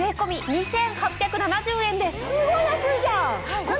すごい安いじゃん！